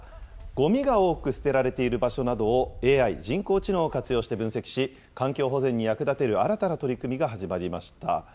ごみが多く捨てられている場所などを、ＡＩ・人工知能を活用して分析し、環境保全に役立てる、新たな取り組みが始まりました。